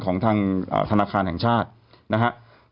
ของทางธนาคารแห่งชาตินะครับ